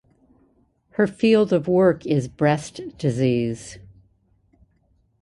Her field of work is breast disease.